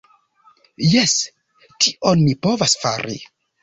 Jes, tion mi povas fari